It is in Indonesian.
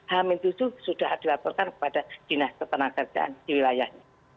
hamin tussu sudah dilaporkan kepada dinas ketenagakerjaan di wilayahnya